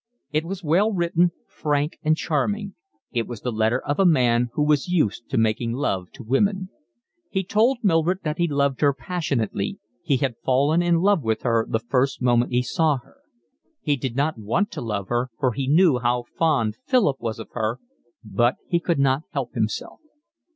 It was well written, frank and charming; it was the letter of a man who was used to making love to women. He told Mildred that he loved her passionately, he had fallen in love with her the first moment he saw her; he did not want to love her, for he knew how fond Philip was of her, but he could not help himself.